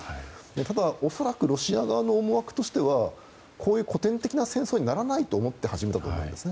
ただ、恐らくロシア側の思惑としてはこういう古典的な戦争にならないと思って始めたと思うんですね。